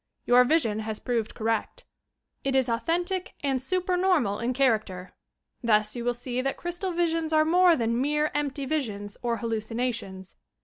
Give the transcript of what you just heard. Your vision has proved correct. It is authentic and "supernormal" in char acter. Thus you will see that crystal visions are more than mere empty visions or hallucinations.